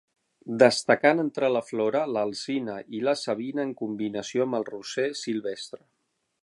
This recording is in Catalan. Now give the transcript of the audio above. Destacant entre la flora l'alzina i la savina en combinació amb el roser silvestre.